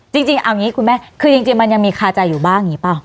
จริงเอาอย่างนี้คุณแม่คือจริงมันยังมีคาใจอยู่บ้างอย่างนี้เปล่า